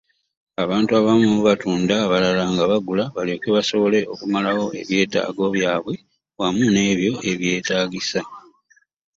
Abantu abamu batunda abalala bagula balyoke basobole okumalawo ebyetaago byabwe wamu n'ebyo ebyetaagisa.